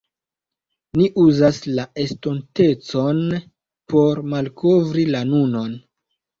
ni uzas la estontecon por malkovri la nunon.